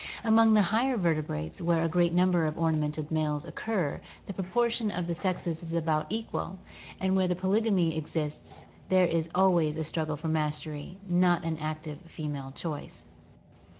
Among the higher vertebrates^ where a great number of ornamented males occur, the proportion of the sexes is about equal, and where polygamy exists there is always a struggle for mastery, not an active female choice.